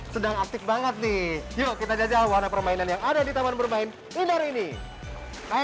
sedang aktif banget nih yuk kita jajal warna permainan yang ada di taman bermain indoor ini